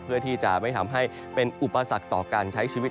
เพื่อที่จะไม่ทำให้เป็นอุปสรรคต่อการใช้ชีวิต